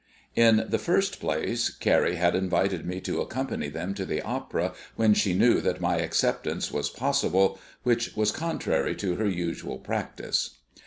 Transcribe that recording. In the first place, Carrie had invited me to accompany them to the opera when she knew that my acceptance was possible, which was contrary to her usual practice.